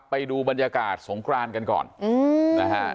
ไปดูบรรยากาศสงครานกันก่อนนะฮะ